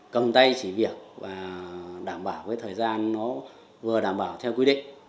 cầm tay chỉ việc và đảm bảo với thời gian nó vừa đảm bảo theo quy định